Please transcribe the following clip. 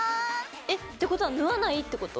えっ！ってことは縫わないってこと？